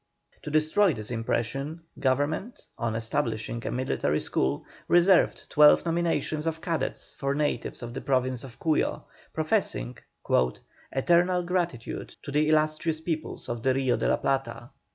To destroy this impression, government, on establishing a military school, reserved twelve nominations of cadets for natives of the Province of Cuyo, professing "eternal gratitude to the illustrious peoples of the Rio de la Plata."